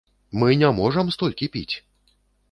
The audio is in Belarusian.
Мы не можам столькі піць!